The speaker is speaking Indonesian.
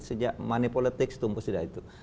sejak money politics tumbuh sudah itu